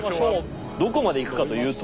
どこまでいくかというと。